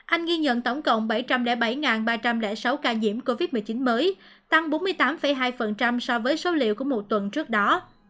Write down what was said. anh ghi nhận tổng cộng bảy trăm linh bảy ba trăm linh sáu ca nhiễm covid một mươi chín mới tăng bốn mươi tám hai so với số liệu của một tuần trước đó